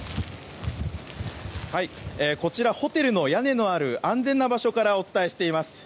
こちらホテルの屋根のある安全な場所からお伝えしています。